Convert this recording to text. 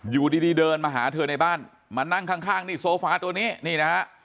อยู่ดีเดินมาหาเธอในบ้านมานั่งข้างนี่โซฟาตัวนี้นี่นะฮะ